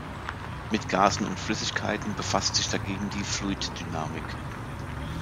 Mit Gasen und Flüssigkeiten befasst sich dagegen die Fluiddynamik.